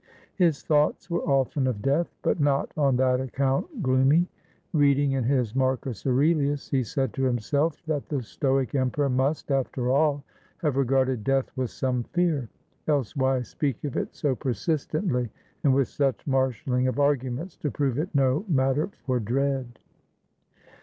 His thoughts were often of death, but not on that account gloomy. Reading in his Marcus Aurelius, he said to himself that the Stoic Emperor must, after all, have regarded death with some fear: else, why speak of it so persistently, and with such marshalling of arguments to prove it no matter for dread?